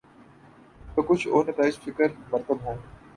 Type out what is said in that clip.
تو کچھ اور نتائج فکر مرتب ہوں۔